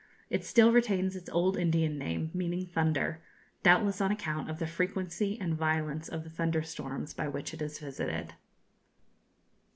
It still retains its old Indian name, meaning 'thunder,' doubtless on account of the frequency and violence of the thunder storms by which it is visited.